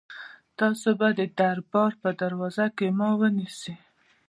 تاسي به د دربار په دروازه کې ما ونیسئ.